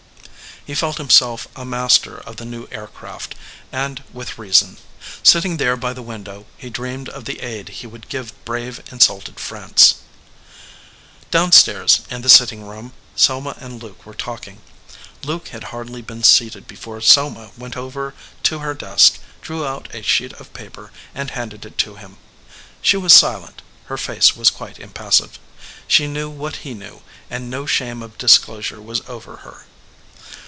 He felt himself a master of the new air craft, and with reason. Sitting there by the window, he dreamed of the aid he would give brave, insulted France. Down stairs in the sitting room Selma and Luke were talking. Luke had hardly been seated before Selma went over to her desk, drew out a sheet of paper and handed it to him. She was silent; her face was quite impassive. She knew that he knew, and no shame of disclosure was over her.